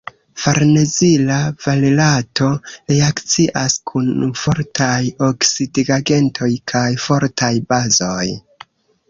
Farnezila valerato reakcias kun fortaj oksidigagentoj kaj fortaj bazoj.